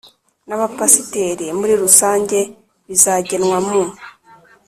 n abapasiteri muri rusange bizagenwa mu